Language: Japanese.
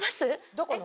どこの？